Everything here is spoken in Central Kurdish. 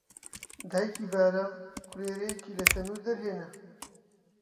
دایکی بارام کولێرەیەکی لە تەندوور دەرهێنا